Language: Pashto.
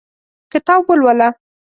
کتاب ولوله !